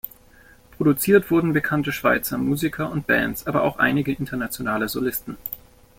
Produziert wurden bekannte Schweizer Musiker und Bands, aber auch einige internationale Solisten.